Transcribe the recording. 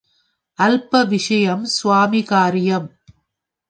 அல்பவிஷயம் ஸ்வாமி காரியம்.